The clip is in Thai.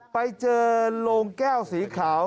ไปเจอโรงแก้วสีขาว